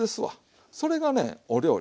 それがねお料理。